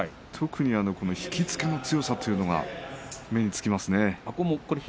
特に引き付けの強さというのが目につきますね。